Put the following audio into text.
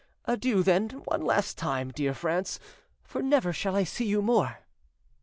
Adieu then, one last time, dear France; for never shall I see you more."